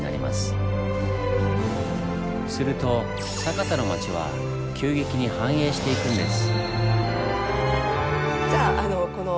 すると酒田の町は急激に繁栄していくんです。